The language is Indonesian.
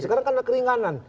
sekarang kan ada keringanan